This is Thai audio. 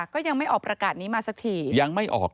ก็ยังไม่ออกประกาศนี้มาสักที